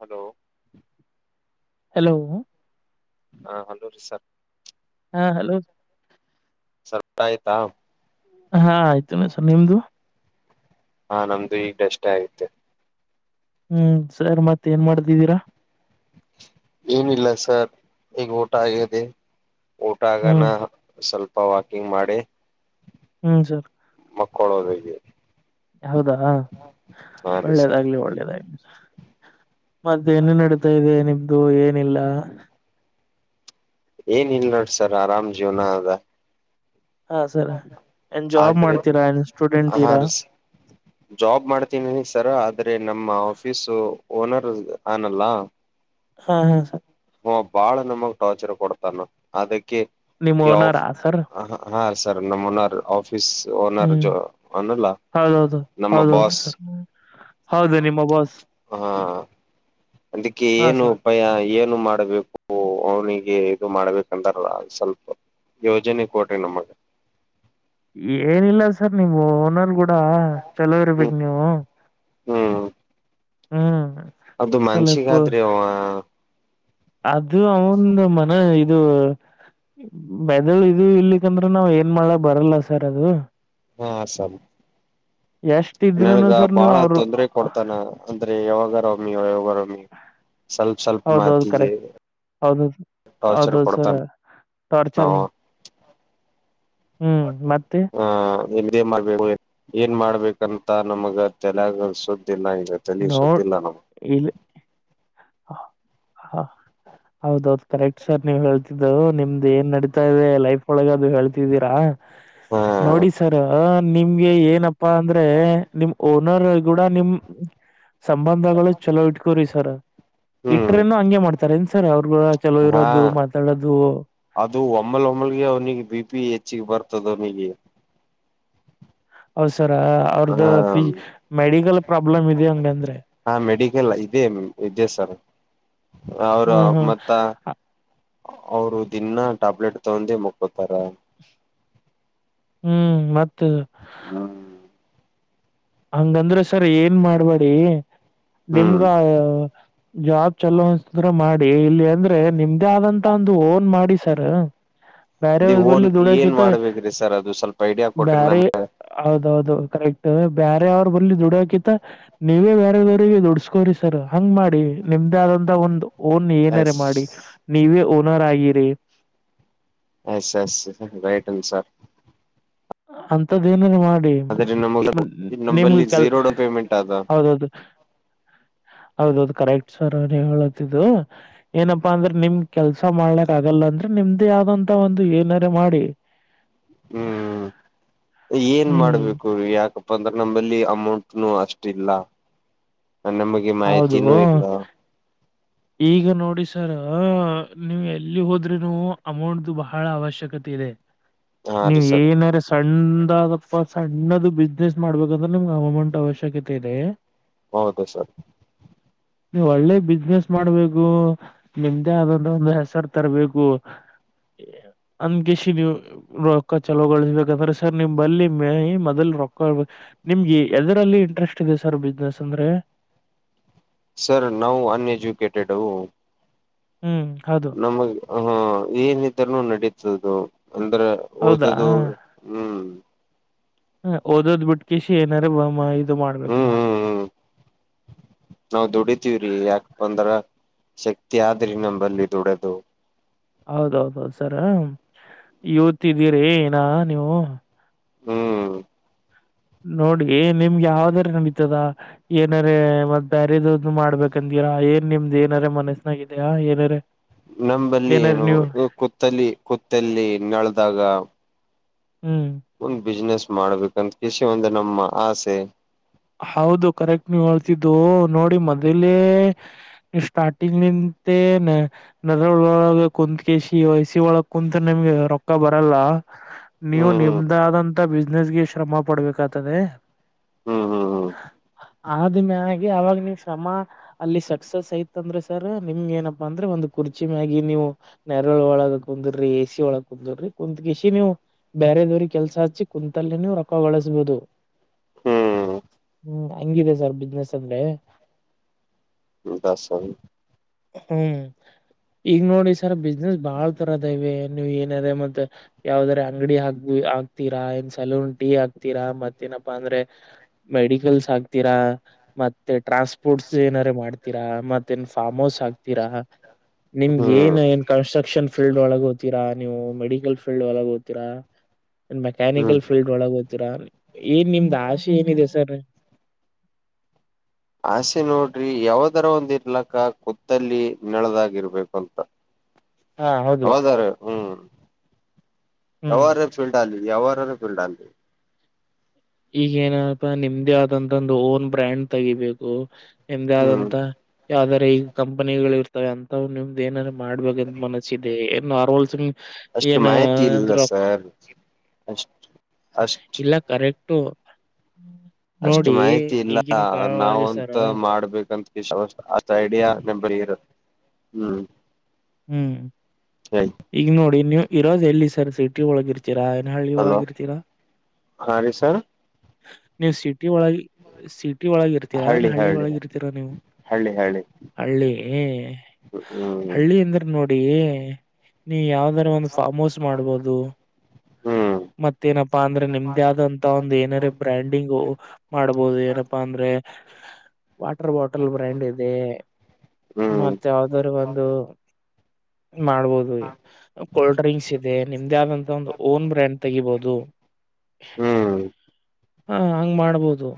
hello hello ಹಾ hello ರೀ sir ಹಾ ಹಲೋ ಸರ್ಪ ಆಯ್ತಾ ಹಾ ಆಯ್ತುನೆಸರ್ ನಿಮ್ದು ಹಾ ನಮ್ದು ಈಗ ಅಷ್ಟೇ ಆಯ್ತು ಹ್ಮ್ ಸರಿ ಮತ್ ಏನ್ ಮಾಡ್ದಿದ್ದೀರಾ ಏನಿಲ್ಲ ಸರ್ ಈಗ ಓಟ ಆಗದೆ ಓಟ ಆಗಾನ ಹ್ಮ್ ಸ್ವಲ್ಪ ಅಪ್ಪ ವಾಕಿಂಗ್ ಮಾಡಿ ಹ್ಮ್ ಸರ್ ಮಕ್ಕಳೋದ ಹೌದಾ ರೀ ಸರ್ ಒಳ್ಳೇದಾಗ್ಲಿ ಒಳ್ಳೇದಾಗ್ಲಿ ಮತ್ತೆನ್ನು ನಡೀತಾ ಇದೆ ನಿಮ್ದು ಏನಿಲ್ಲ ಏನ್ ಇಲ್ ನೋಡಸರ್ ಆರಾಮ್ ಜೀವನ ಅದ ಹಾ ಸರಿ ಏನ್ ಜಾಬ್ ಆದ್ರೆ ಮಾಡ್ತೀರಾ ಏನ್ ಸ್ಟೂಡೆಂಟ್ ಹಾ ಇರಾ ರೀ ಸರ್, ಜಾಬ್ ಮಾಡ್ತೀನಿ ತರ ಆದ್ರೆ ನಮ್ಮ ಆಫೀಸ್ ಓನರ್ ಆನಲ್ಲ ಹಾ ಹಾ ಸ ಹ ಬಾಳ ನಮಗ್ ಟಾರ್ಚರ್ ಕೊಡ್ತಾನ ಅದಕ್ಕೆ ನಿಮ್ ಯ ಓನರಾ ಸರ್ ಹ ಸರ್ ನಮ್ಮನ್ನರ್ ಆಫ ಆಫೀಸ್ ಓನರ್ ಹ್ಮ್ ಜ ಅನಲ್ಲ ಹೌದೌದು ನಮ್ಮ ಹೌದೌದು ಬಾಸ್ ಸರ್ ಹೌದು ನಿಮ್ಮ ಬಾಸ್ ಹಾ ಅದಕ್ಕೆ ಹಾ ಏನು ಸರ್ ಉಪಾಯ ನು ಮಾಡ್ಬೇಕು ಅವನಿಗೆ ಇದು ಮಾಡ್ಬೇಕಂದಾರಲ್ಲ ಸ್ವಲ್ಪ ಯೋಜನೆ ಕೋಟೆ ನಮಗೆ ಏನಿಲ್ಲ ಸರ್ ನಿಮ್ ಓನಲ್ ಗೂಡ ಹ್ಮ್ ಚಲವರುಬೇಕಗ್ ನೀವು ಹ್ಮ್ ಹ್ಮ್ ಅದು ಸ್ವಲ್ಪ ಮನ್ಷಿಗಾದ್ರಿ ಒ ಅದು ಅವಂದ ಮನ ಇದು ಬೆದಳು ಇದು ಇಲ್ಲಿಕ್ಕಂದ್ರೆ ನಾವ್ ಏನ್ ಮಾಡ ಬರಲ್ಲ ಸರ್ ಅದು ಹಾ ಆಸಾಮ ಎಷ್ಟ ಇದ್ರುನು ನನಗ ಸರ್ ನೀವು ಬಾಳ ಅವರು ತೊಂದ್ರ ಕೊಡ್ತಾನ ಅಂದ್ರೆ ಯಾವಾಗರವೊಮ್ಮಿ ಯಾಗಾರಮ್ಮಿ ಹೌದೌದು ಕರೆಕ್ಟ್ ಹೌದದು ಟಾರ್ಚರ್ ಹೌದೌದು ಸರ ಕೊಡ್ತಾನ ಟೋಾರ್ಚರ್ ನಾವು ಹ್ಮ್ ಮತ್ತೆ ಹ ಇದೇ ಮಾಡ್ಬೇಕ ಏನ್ ಮಾಡ್ಬೇಕಂತ ನಮಗ ತಲಗಸುದ ಿಲ್ಲ ಈಗ ತಳಿಸುದಿಲ್ಲ ನಾವು ಹ ಹಾ ಹೌದೌದ್ ಕರೆಕ್ಟ್ ಸರ್ ನೀವ್ ಹೇಳ್ತಿದ್ದವು ನಿಮ್ದ್ ಏನ್ ನಡೀತಾ ಇದೆ ಲೈಫ್ ಒಳಗ ಅದು ಹೇಳ್ತಿದ್ದೀರಾ ಹಾ ನೋಡಿ ಸರ್ ನಿಮ್ಗೆ ಏನಪ್ಪಾ ಅಂದ್ರೆ ನಿಮ್ ಓ ರ್ ಗೂಡ ನಿಮ್ ಸಂಬಂಧಗಳು ಚಲೋ ಇಟ್ಕೋ್ರಿ ಸರ್ ಹ್ಮ್ ಇಟ್ರನು ಹಂಗೆ ಮಾಡ್ತಾರ ಇನ್ಸರ್ ಅವ್ರಗೂ ಚಲೋ ಹಾ ಇರೋದು ಮಾತಾಡೋದು ಅದು ಒಮ್ಮಲ್ ಒಮ್ಮಲ್ಗೆ ಅವ್ನಿಗೆ ಬಿ ಪಿ ಹೆಚ್ಚಿಗೆ ಬರ್ತದ ಅವನಿಗೆ ಹೌದ್ಸರ ಅವ್ರದ್ದ ಫ ಮೆಡಿಕಲ್ ಪ್ರಾಬ್ಲಮ್ ಇ ಹಂಗಂದ್ರೆ ಇಲ್ಲ ಇದೇ ಇದೇ ಸರ್ ಅವರು ಹ್ಮ್ ಹ್ಮ್ ಮತ್ತ ಅವರು ದಿನ ಟ್ಯಾಬ್ಲೆಟ್ ತಗೊಂಡೆ ಮುಕ್ಕಕೊತಾರ ಹ್ಮ್ ಮತ್ತ ಹ್ಮ್ ಹಂಗಂದ್ರ ಸರ್ ಏನ್ ಮಾಡ್ಬೇಡಿ ಹ್ಮ್ ನಿಮ್ಗ ಜಾಬ್ ಚಲೋ ಅನ್ಸ್ರ ಮಾಡಿ ಇಲ್ಲಿ ಅಂದ್ರೆ ನಿಮ್ದೇ ಆದಂತ ಒಂದು ಓನ್ ಮಾಡಿ ಸರ್ ಬೇರೆ ನೀ ಬ ಓನ್ ಜುಡ ಏನ್ ಕೆತ್ತ ಮಾಡ್ಬೇಕ್ರಿ ಸರ್ ಅದು ಸ್ವಲ್ಪ ಐಡಿಯಾ ಕೊಟ್ರಿ ಬೇರೆ ನಮ್ ಹೌದೌದು ಕರೆಕ್ಟ್ ಬೇರೆ ಅವ್ರ ಬರ್ಲಿ ದುಡಕಿತ್ತ ನೀವೇ ಬೇರೆದವ್ರರಿಗೆ ದುಡಸ್ಕೋ್ರಿ ಸರ್ ಹಂಗ್ ಮಾಡಿ ನಿಮ್ದ ಆದ ಒಂದು ಓನ್ ಏನಾರ ಎಸ್ ಮಾಡಿ ನೀವೇ ಓನರ್ ಆಗಿರಿ ಎಸ್ ಎಸ್ ರೈಟ್ನ್ ಸರ್ ಅಂತದ ಏನೇನು ಮಾಡ ಆದ್ರೆ ನಮಗ ನಿಮ್ಗ ನಂಬಲ್ಲಿ ಕೆಲ್ ಝೀರೋ ಡೌನ್ ಪೇಮೆಂಟ್ ಆದ ಹೌದೌದು ಹೌದೌದು ಕರೆಕ್ಟ್ ಸರ್ ಹೇಳತಿದ್ದು ಏನಪ್ಪಾ ಅಂದ್ರೆ ನಿಮ್ ಕೆಲ್ಸ ಮಾಡ್ಲಕ್ ಆಗಲ್ಲ ಅಂದ್ರೆ ನಿಮ್ದೇ ಆದಂತ ಒಂದು ಏನಾರ ಮಾಡಿ ಹ ಹ ಏನ್ ಮಾಡ್ಬೇಕು ಯಾಕ ಪ್ಪ ಅಂದಾಗ ನಂಬಲ್ಲಿ ಅಮೌಂಟ್ನು ಅಷ್ಟ ಇಲ್ಲ ನಮಗೆ ಹೌದು ಮಾಹಿತಿನೂ ಇಲ್ಲ ಈಗ ನೋಡಿ ಸರ್ ನೀವು್ ಎಲ್ಲಿ ಹೋದ್ರೂನು ಅಮೌಂಟ್್ದ ಬಹಳ ಅವಶ್ಯಕತೆ ಇದೆ ಹಾ ರೀ ನೀವು ಸರ್ ಏನ್ರ ಸಣ್ಣ ಪ್ಪ ಸಣ್ಣದು ಬಿಸ್ನೆಸ್ ಮಾಡ್ಬೇಕಂದ್ರೆ ನಿಮ್ಗೆ ಗಮೆಂಟ್ ಅವಶ್ಯಕತೆ ಇದೆ ಹೌದು ಸರ್ ಹ ನೀವು ಒಳ್ಳೆ ಬಿಸ್ನೆಸ್ ಮಾಡ್ಬೇಕು ನಿಮ್ದೇ ಆದಂದ ಒಂದು ಹೆಸರು ತರಬೇಕು [unintelligible] ಅಂದಕಸಿ ನೀವು್ ರೊಕ್ಕ ಚಲೋ ೊಳಿಸ್ಬೇಕಂದ್ರೆ ಸರ್ ನಿಮ್ ಬಲ್ಲಿ ಮ ಮೊದಲ್ ರೊಕ್ಕ ನಿಮ್ಗೆ ಎದರಲ್ಲಿ ಇಂಟ್ರೆಸ್ಟ್ ಇದೆ ಸರ್ ಬಿಸ್ನೆಸ್ ಅಂದ್ರೆ ಸರ್ ನಾವು ಅನ್ಎಜುಕೇಟೆಡ್ ಹ ಹ್ಮ್ ಹೌದು ಹಾ ಏನಿದ್ದ್ೂ ನಡೀತದು ಅಂದ್ರೆ ಹೌದಾ ಓದದು ಹ್ಮ್ ಹ ಓದದ್ ಬಿಟ್ಕಿಸಿ ಏನಾರ ಇದು ಮಾಡ್ಬೇಕು ನೀವು ನಾವವು ದುಡಿತೀವ್ರಿ ಯಾಕ ಬಂದ್ರ ಶಕ್ತಿ ಆದ್ರಿ ನಂಬಲ್ಲಿ ದದುಡದು ಹೌದೌದೌದು ಸರ ಇವತ್ಿದ್ದೀರಿ ಏನ ನೀವು ಹ್ಮ್ ನೋಡ ಏ ನಿಮ್ಗೆ ಯಾವ್ದಾರ ನಡತದ ಏನಾರ ಮತ್ ಬೇರೆನು ಮಾಡ್ಬೇಕಂದ ರಾ ಏನ್ ನಿಮ್ದ್ ಏನಾರ ಮನಸ್ಸನಾಗಿದ್ಯಾ ಏನಾರ ನಂಬಲ್ಲಿ ಏನಾರ ಏನು ನೀವು ಕುತ್ತಲ್ಲಿ ಕುತ್ತಲ್ಲಿ ನಳದಾಗ ಹ್ಮ್ ಒಂದ್ ಬಿಸ್ನೆಸ್ ಮಾಡ್ಬೇಕಂತ ಕಷಿ ಒಂದು ನಮ್ಮ ಆಸೆ ಹೌದು ಕರೆಕ್ಟ್ ನೀವ ಹೇಳ್ತಿದ್ದು ನೋಡಿ ಮದಲೇ ಸ್ಟಾರ್ಟಿಂಗ್ ನಿಿಂದ ಮತ್ತೆ ನೆದ ಒಳೊಳ ಕುತ್ ಕಿಸಿಿ ವಸ ಒಳಗ್ ಕುೂಂತ ನಿಮಗೆ ರೊಕ್ಕ ಬರಲ್ಲ ನೀವು ಹ್ಮ್ ನಿಮ್ದಾದಂತ ಬಿಸ್ನೆೆಸ್ಗೆ ಶ್ರಮ ಪಡ್ಬೇಕಾಗ್ತದೆ ಹ್ಮ್ ಹ್ಮ್ ಹ್ಮ್ ಆದದು ಮ ಅವಾಗ ನೀವು್ ಶ್ರಮ ಅಲ್ಲಿ ಸಕ್ಸಸ್ ಐತ್ ಅಂದ್ರೆ ಸರ್ ನಿಮ್ಗೆ ಏನಪ್ಪಾ ಅಂದ್ರೆ ಒಂದು ಕುರ್ಚಿ ಮ್ಯಾಗಿ ನೀವು ನೆರ ಒಳಗ ಕುಂದರ್ರಿ ಎಸಿ ಒಳಗ ಕುರ್ರಿ ಕುತ್ಕ ಇಷ್ಟಿ ನೀವು ಬೇರೆದವ್ರಿಗೆ ಕೆಲ್ಸ ಹಿ ಕುಂತಲ್ಲಿ ರೊಕ್ಕಗೊಗಳಿಸಬಹುದು ಹ್ಮ ಹ್ಮ್ ಹಂಗಿದೆ ಸರ್ ಬಿಸ್ನೆಸ್ ಅಂದ್ರೆ ದಾಸ ಹ್ಮ್ ಈಗ್ ನೋಡಿ ಸರ್ ಬಿಸ್ನೆಸ್ ಬಾಳ್ ತರದ ಇವೆ ನೀವ್ ಏನದ ಮತ್ತತ್ ಯಾವ್ದಾರ ಅಂಗಡಿ ಹಾಕ್ಬ ಆಾಕ್ತೀರಾ ಏನ್ ಸಲೂನ್ ಟೀ ಹಕ್ತೀರಾ ಮತ್ತೇನಪ್ಪಾ ಅಂದ್ರೆ ಮೆಡಿಕಲ್ಸ್ ಆಕ್ತೀರಾ ಮತ್ತೆ ಟ್ರಾನ್ಸ್ಪೋರ್ಟ್ಸ್ ಏನಾರ ಮಾಡ್ತೀರಾ ಮತ್ ನ್ ಫಾರ್ಮ್ ಹೌಸ್ ಆಗ್ತೀರಾ ನಿಮ್ಗೆ ಹ್ಮ್ ಏನ್ ಏನ್ ಕನ್ಸ್ಟ್ರಕ್ಷನ್ ಫೀಲ್ಡ್ ಒಳಗ ಹೋತೀರಾ ನೀವು ಮೆಡಿಕಲ್ ಫೀಲ್ಡ್ ಒಳಗ ಹದ್ೀರಾ ಹ್ಮ್ ಮೆಕ್ಯಾನಿಕಲ್ ಫೀಲ್ಡ್ ಒಳಗ ಹೋಗ್ತೀರಾ ಏನ್ ನಿಮ್ದ ಆಸೆ ಏನಿದೆ ಸರ್ ಆಸೆ ನೋಡ್ರಿ ಯಾವದರ ಒಂದ್ಿರ್ಲಕ್ಕ ಕುತ್ತಲ್ಲಿ ನೆಳದಾಗಿರ್ಬೇಕುಂತ ಹಾ ಹೌದು ಹೌದಾರ ಹ್ಮ್ ಹ್ಮ್ ಯಾವಾರೇ ೀಲ್ಡ್ ಆಲ್ಲಿ ಯಾವಾರ ೀಲ್ಡ್ ಆಲಿ ಈಗ ಏನಪ್ಪ ನಿಮ್ದೇ ಆದಂತ ಒಂದು ಓನ್ ಬ್ರ್ಯಾಂಡ್ ತೆಗಿಬೇಕು ಎಂದ ಹ್ಮ್ ಆದಂತ ಯಾವ್ದಾರ ಈಗ ಕಂಪನಿಗಳು ಇರ್ತವೆ ಅಂತ ನಿಮ್ದು ಏನಾದಾರ ಮಾಡ್ಬೇಕಂತ ಮನಸ್ಸ ನಾರಲ್ ಸಿಂಗ ಅಷ್ಟು ಮಾಹಿತಿ ಇಲ್ಲ ಸರ್ ಅಷ್ಟ ಅಷ್ಟ್ ಇಲ್ಲ ಕರೆಕ್ಟು ಅಷ್ಟ್ ನೋಡಿ ಮಾಹಿತಿ ಇಲ್ಲ ಈಗಿನ ಕಾಲ ಒಳಗೆ ಸರ ನಾವಂತ ಮಾಡ್ಬೇಕಂತ ಅ ಐಡಿಯಾ ನ ಬರಿ ಇರು ಹ್ಮ್ ಹ್ಮ್ ಹೇಳಿ ಈಗ ನೋಡಿ ನೀವು್ ಇರೋದ ಎಲ್ಲಿ ಸರ್ ಸಿಟಿ ಒಳಗಿರ್ತೀ ೀರಾ ಏನ ಹಳ್ಳಿ ಒಳಗ ಹಲೋ ಇರ್ತೀರಾ ಹಾ ರೀ ಸರ್ ನೀವು ಸಿ ಸಿಟಿ ಒಳಗೆ ಸಿಟಿ ಒಳಗ ಇರ್ತೀರಾ ಏನ್ ಹಳ್ಳಿ ಒಳಗ ಇರ್ತೀರಾ ನೀವು ಹಳ್ಳಿ ಹಳ್ಳಿ ಹಳ್ಳಿ ಹ್ಮ್ ಹಳ್ಳಿ ಅಂದ್ರೆ ನೋಡಿ ನೀ ಯಾವ್ದ ಅ ಒಂದು ಫಾರ್ಮ್ ಹೌಸ್ ಮಾಡ್ಬಹದು ಹ್ಮ್ ಮತ್ತೇನಪ್ಪಾ ಅಂದ್ರೆ ನಿಮ್ದೇ ಆದಂತ ಒಂದು ಏನಾರ ಬ್ರ್ಯಾಂಡಿಂಗ್ು ಮಾಡ್ಬೋದು ಏನಪ್ಪಾ ಅಂದ್ರೆ ವಾಟರ್ ಬಾಟಲ್ ಬ್ರ್ಯಾಂಡ್ ಇದೆ ಮ ಹ್ಮ್ ಯಾವ್ದರು ಒಂದು ಮಾಡ್ಬೋದು ಕೋಲ್ಡ್ ಡ್ರಿಂಕ್ಸ್ ಇದೆ ನಿಮ್ದೇ ಆದಂತ ಒಂದು ಓನ್ ಬ್ರ್ಯಾಂಡ್ ತೆಗಿಬಹುದು ಹ್ಮ್ ಹಾ ಹಂಗ್ ಮಾಡ್ಬೋದು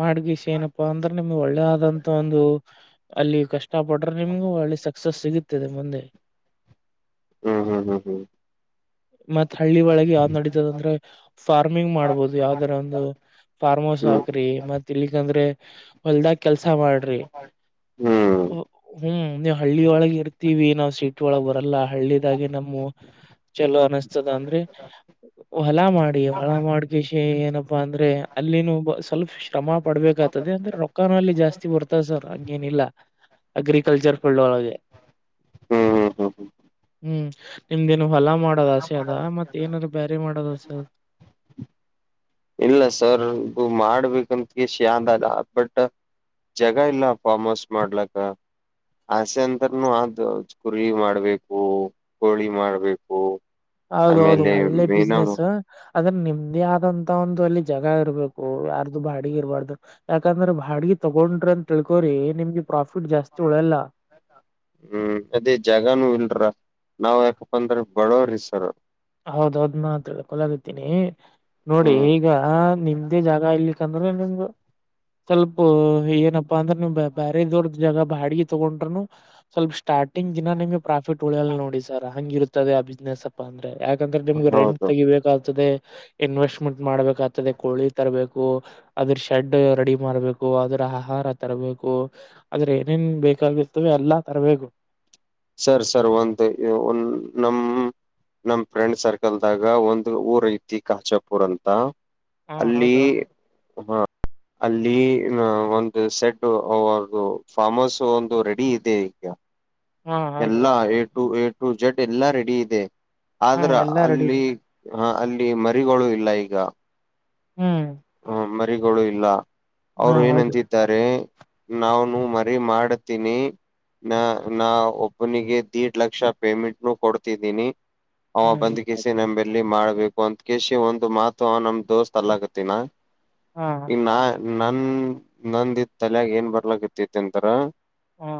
ಮಾಡಗೀಸ ಏನಪ್ಪಾ ಅಂದ್ರೆ ನಿಮ್ಗೆ ಒಳ್ಳೇ ಆದಂತ ಒಂದು ಅಲ್ಲಿ ಕಷ್ಟ ಪಟ್ರೆ ನಿಮ್ಗೂ ಒಳ್ಳಿ ಸಕ್ಸಸ್ ಸಿಗತುತ್ತದೆ ಮುಂದೆ ಹ್ಮ್ ಹ್ಮ್ ಹ್ಮ್ ಹ್ಮ್ ಮತ್ತ್ ಹಳ್ಳಿ ಒಳಗೆ ಯಾವ್ದ್ ನಡೀತದ ಅಂದ್ರೆ ಫಾರ್ಮಿಂಗ್ ಮಾಡ್ಬೋದು ಯಾವ್ದಾರ ಒಂದು ಫಾರ್ಮ್ ಹೌಸ್ ಹ್ಮ್ ಹ್ಮ್ ಹಾಕ್ರಿ ಮತ್ ಇಲಿಕಂದ್ರೆ ಹೊಲ್ದಾಗ ಕೆಲ್ಸ ಮಾಡ್ರಿ ಹ್ಮ್ ಹ್ಮ್ ನೀವು ಹಳ್ಳಿಯ ಒಳಗೆ ಇರ್ತಿೀವಿ ನಾವು ಸಿಟಿ ಒಳಗೆ ಬರಲ್ಲ ಹಳ್ಳಿದಾಗೆ ನಮ್ಮ ಚಲೋ ಅನಿಸ್ತದ ಅಂದ್ರೆ ಹೊಲ ಮಾಡಿ ಹೊಲ ಮಾಡಕ ಶ ಏನಪ್ಪ ಅಂದ್ರೆ ಅಲ್ಲಿನ ಸ್ವಲ್ಪ ಶ್ರಮ ಪಡ್ಬೇಕಾಗತದೆ ಅಂದ್ರೆ ರೊಕ್ಕಾನು ಅಲ್ಲಿ ಜಾಸ್ತಿ ಬರ್ತದೆ ಸರ್ೇನ ಇಲ್ಲ ಅಗ್ರಿಕಲ್ಚರ್ ಫೀಲ್ಡ್ ಒಳಗೆ ಹ್ಮ ಹ್ಮ್ ನಿಮ್ದೇನು ಹೊಲ ಮಾಡೋದ ಆಸೆ ಅದ ಮತ್ತೆ ಏನಾದ್ರರು ಬೇರೆ ಮಾಡೋದ್ಸೆದು ಇಲ್ಲ ಸರ್ ಮಾಡ್ಬೇಕಂತ ಕೆಷಂದಲ್ಲ ಬಟ್ ಜಗ ಇಲ್ಲ ಫಾರ್ಮ್ ಹೌಸ್ ಮಾಡ್ಲಕ್ಕ ಆಸೆ ಅಂತರ್ನು ಅ ಕುರಿ ಮಾಡ್ಬೇಕು ಕೋಳಿ ಮಾಡ್ಬೇಕು ಹೌದ ಹೌದು ಆಮೇಲೆ ಒಳ್ಳೆ ಮೀನ ಬಿಸ್ನೆಸ್ ಅದ್ರೆ ನಿಮ್ದೇ ಆದ ಅಂತ ಒಂದು ಅಲ್ಲಿ ಜಾಗ ಇರಬೇಕು ಯಾರ್ದು ಬಾಡಿಗೆ ಇರಬಾರ್ದು ಯಾಕಂದ್ರೆ ಬಾಡಿಗೆ ತಗೊಂಡ್ರಿ ಅಂತ ಕೋರಿ ನಿಮ್ಗೆ ಪ್ರಾಫಿಟ್ ಜಾಸ್ತಿ ಉಳಲ್ಲ ಹ್ಮ್ ಅದೇ ಜಗಾನೂ ಇಲ್ರ ನಾವ್ ಯಾಕಪ್ಪ ಅಂದ್ರ ಬಡವ್ರಸರ್ ಹೌದೌದ್ ಮಾತ್ರಲ್ಲ ಕೊಲಗತೀನಿ ನೋಡಿ ಹ್ಮ್ ಈಗ ನಿಮ್ದೇ ಜಾಗ ಇಲಿಕ್ಕಂದ್ರೆ ನಿಮ್ದ ಸ್ವಲ್ಪ ಏನಪ್ಪಾ ಅಂದ್ರೆ ನೀ ಬೇರೆ ದೋರ್ದ ಜಾಗ ಬಾಡಿಗೆ ತಗೊಂಡ್ನು ಸ್ವಲ್ಪ ಸ್ಟ ಸ್ಟಾರ್ಟಿಂಗ್ ದಿನ ನಿಮ್ ಪ್ರಾಫಿಟ್ ಉಳಿಯಲ್ ನೋಡಿ ಸರ್ ಹಂಗಿ ಇರುತ್ತದೆ ಆ ಬಿಸ್ನೆಸ್ ಅಪ್ಪ ಅಂದ್ರೆ ಯಾಕಂದ್ರೆ ನಿಮ್ಗೆ ರೆಂಟ್ ಹೌದು ತೆಗಿಬೇಕಾಗ್ತದೆ ಇನ್ವೆಸ್್ಮೆಂಟ್ ಮಾಡ್ಬೇಕಾಗ್ತದೆ ಕೋಳಿ ತರಬೇಕು ಅದ್ರ ಶೆಡ್ ರೆಡಿ ಮಾಡ್ಬೇಕು ಅದ್ರ ಆಹಾರ ಾರ ತರಬೇಕು ಆದ್ರೆ ಏನೇನ್ ಬೇಕಾಗಿರ್ತವೆ ಎಲ್ಲಾ ತರಬೇಕು ಸರ್ ಸರ್ ಒಂದು ಒ ನಮ ನಮ್ ಫ್ರೆಂಡ್ ಸರ್ಕಲ್ದಾಗ ಒಂದು್ ಊರ್ ಐತಿ ಕಾಚಾಪುರ್ ಅಂತ ಹಾ ಅಲ್ಲಿ ಹೌದು ಹೌದು ಹ್ಮ ಅಲ್ಲಿ ಒಂದು ಸೆಡ್ ಫಾರ್ಮ್ ಹೌಸ್ ಒಂದು ರೆಡಿ ಇದೆ ಈಗ ಹಾ ಹೌದು ಎಲ್ಲಾ ಏಟು ಏಟು ಜಡ್ ಎಲ್ಲಾ ರೆಡಿ ಇದೆ ಹಾ ಆದ್ರ ಎಲ್ಲಾ ರೆಡಿ ಅಲ್ಲಿ ಇದೆ ಹಾ ಅಲ್ಲಿ ಮರಿಗಳು ಇಲ್ಲ ಈಗ ಹ್ಮ್ ಹ್ಮ ಮರಿಗಳು ಇಲ್ಲ ಹಾ ಅವ್ರು ಹೌದು ಏನಂತಿದ್ದಾರೆ ನಾವನು ಮರಿ ಮಾಡ್ತೀನಿ ನ ನಾ ಒಬ್ಬನಿಗೆ ದೀಡ್ ಲಕ್ಷ ಪೇಮೆಂಟ್ನು ಕೊಡ್ತಿದ್ದೀನಿ ಅವ ಹ್ಮ್ ಬಂದ್ ಕಿಸಿ ನಂಬೆಲ್ಲಿ ಮಾಡ್ಬೇಕು ಒಂದ್ ಕಶಿ ಒಂದು ಮಾತು ಅವ ನಮ ದೋಸ್ತ್ ಅಲ್ಲ ಆಗತ್ತಿನ ಹಾ ಇ ನಾ ನನ್ ನಂದ ತಲಯಾಗ ಏನ್ ಬರ್ಲಕ್ ಇತಿತಿಂತರ ಹ್ಮ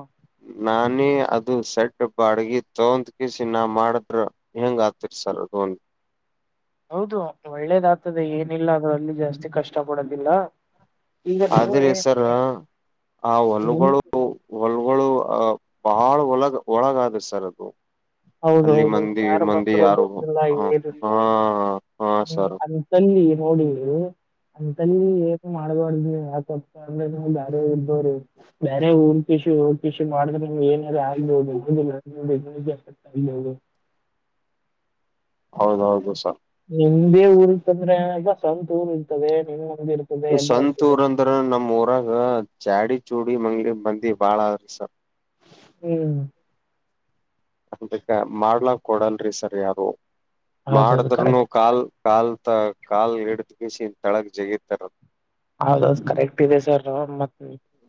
ನಾನೇ ಅದು ಸೆಡ್ ಬಾಡ್ಗ ತಗಂದ ಕಿಸಿ ನಾ ಮಾಡಿದ್ರ ಹೆಂಗ್ ಆತ್ತರ್ಸಲ್ಲದು ಹನ್ ಹೌದು ಒಳ್ಳೇದಾಗ್ತದೆ ಏನಿಲ್ಲ ಆದ್ರೂ ಅಲ್ಲಿ ಜಾಸ್ತಿ ಕಷ್ಟ ಪಡೋದಿಲ್ಲ ಈಗ ನೀವೇ ಆದ್ರೆ ಸರ್ ಆ ನೀ ಹೊಲಗಳು ಹೊಲ್ಗಗಳು ಅಹ ಬಹಳ ಒಳಗ ಒಳಗಾದ ಸರ್ ಅದು ಅಲ್ಲಿ ಹೌದೌದು ಮಂದಿ ಯಾರು ಮಂದಿ ಬಂದ್ರರು ಯಾರು ಬಸ್ಿಲ್ಲ ಹ ೇರಿಲ್ಲ ಹಾ ಹಾ ಹ್ಮ್ ಸರ್ ಅಂತಲ್ಲಿ ನೋಡಿ ಅಂತಲ್ಲಿ ಮಾಡ್ಬಾರ್ದಿ ಯಕ ಅಂದ್ರೆ ಬೇರೆ ಇಬವರು ಬೇರೆ ಊ ಕಷಿ ಹ ಕಷಿ ಮಾಡ್ರ ಏನ ಆದುದು ಹೌದೌದು ಸ ನಿಮ್ದೇ ಊರ್ ಇರ್ತಂದ್ರೆಗ ಸ್ವಂತತ್ ಊರ್ ಇರ್ತದೆ ನಿಮ ಸಂತ ಊರ ಅಂದ್ರ ನಮ್ಮ್ ಊರಾಗ ಚಾಡಿ ಚೂಡಿ ಮಂಗ್ಳ ಮಂದಿ ಬಾಳ ಅಸ ಹ್ಮ್ ಅನ್ಿಕ ಮಾಡ್ಲಕ್ ಕೊಡಲ್ರರಿ ಸರ್ ಯಾರು ಹೌದೌದು ಮಾಡಿದ್ನು ಕರೆಕ್ಟ್ ಕಾಲ್ ಕಾಲ್ ತ ಕಾಲ್ ಹಿಡ್ದ ಬಿಸಿ ತಳಗ್ ಜಗೀತಾರ ಹೌದೌ ಕರೆಕ್ಟ್ ಇದೆ ಸರ್ ಮತ್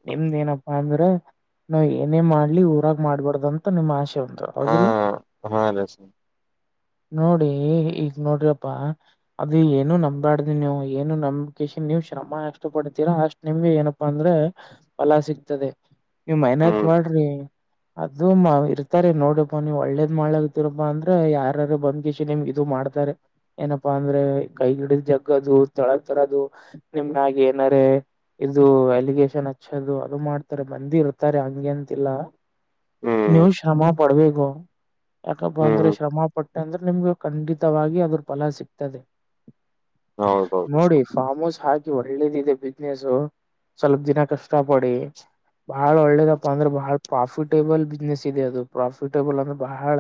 ನಿಮ್ದ ಏನಪ್ಪಾ ಅಂದ್ರ ನಾವ್ ಏನೇನ್ ಮಾಡ್ಲಿ ಊರಾಗ ಮಾಡ್ಬಾರಡ್ದಂತ ನಿಮ್ ಆಶೆ ಂತ ಹಾ ಅವೌದಿಲ್ಲ ಹಾ ರೀ ಸರ್ ನೋಡಿ ಈಗ ನೋಡ್ರಿಪ್ಪಾ ಅದು ಏನು ನಂಬ್ಯಾಡ್ದಿ ನೀವು ಏನು ನಂಬಿಕೇಶನ್ ನೀವ್ ಶ್ರಮ ಎಷ್ಟ ಪಡ್ತೀರಾ ಅಷ್ಟ್ ನಿಮ್ಗೆ ಏನಪ್ಪಾ ಅಂದ್ರೆ ಫಲ ಸಿಗ್ತದೆ ನೀ್ ಮಹನತ್ ಹ್ಮ್ ಮಾಡ್ರಿ ಅದು ಮಾ ಇರ್ತಾರೆ ನೋಡಪಾ ನೀವು್ ಒಳ್ಳೇದ ಮಾಡಗತಿೀರಪ್ಪಾ ಅಂದ್ರ ಯಾರು ಬಂದ್ಕಷ ನಿಮ್ ಇದು ಮಾಡ ಮಾಡ್ತಾರೆ ಏನಪ್ಪಾ ಅಂದ್ರೆ ಕೈ ಗಿಡದ ಜಗ್ಗದು ತಳ ತರದು ನಿಮಗಾಗಿ ಏನಾರ ಇದು ಎಲಿಗೇಶನ್ ಹಚ್ಚದು ಅದು ಮಾಡ್ತಾರೆ ಮಂದಿ ಇರ್ತಾರೆ ಹಂಗೆ ಅಂತಿಲ್ಲ ಹ್ಮ್ ನೀವು ಶ್ರಮ ಪಡ್ಬೇಕು ಯಾಕಪ್ಪ ಅಂದ್ರೆ ಹ್ಮ್ ಶ್ರಮ ಪಟ್ಟೆ ಅಂದ್ರೆ ನಿಮ್ಗೆ ಖಂಡಿತವಾಗಿ ಅದ್ರ ಫಲ ಸಿಗ್ತದೆ ಹೌದೌದು ನೋಡಿ ಸರ್ ಫಾರ್ಮ್ೌಸ್ ಹಾಕಿ ಳ್ಳದಿದೆ ಬಿಸ್ನೆಸ್ ಸ್ವಲ್ಪ ದಿನ ಕಷ್ಟ ಪಡಿ ಬಹಳ ಒಳ್ಳೇದಪ್ಪ ಅಂದ್ರೆ ಬಹಳ ಪ್ರಾಫಿಟೇಬಲ್ ಬಿಸ್ನೆಸ್ ಇದೆ ಅದು ಪ್ರಾಫಿಟೇಬಲ್ ಅಂದ್ರೆ ಬಹಳ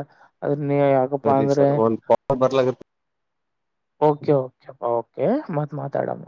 ಅ್ರ ನೀ ಸರಿ ಯಾಕಪ್ಪಂದರ ಸರ್ ಒಂದ್ ಕಾಲ್ ಬರ್ಲಾಗತ್ತ ಕೆ ೆ ಓಕೆ ಮತ್ ಮಾತಾಡಮ್ಮ